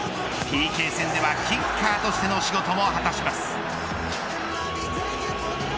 ＰＫ戦ではキッカーとしての仕事も果たします。